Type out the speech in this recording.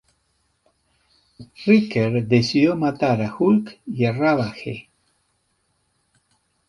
Ryker decidió matar a Hulk y Ravage.